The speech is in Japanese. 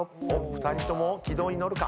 ２人とも軌道に乗るか？